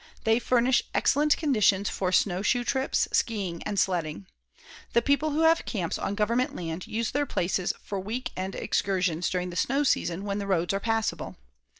They furnish excellent conditions for snow shoe trips, skiing and sledding. The people who have camps on government land use their places for week end excursions during the snow season when the roads are passable.